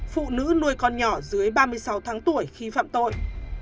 phụ nữ nuôi con nhỏ dưới ba mươi sáu tháng tuổi khi phạm tội